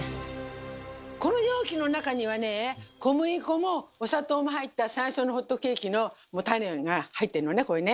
この容器の中にはねえ小麦粉もお砂糖も入った最初のホットケーキのタネが入ってんのね